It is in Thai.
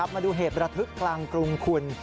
มาดูเหตุประทึกกลางกรุงคุณ